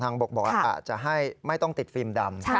อาจจะให้ไม่ต้องติดฟิล์มดำ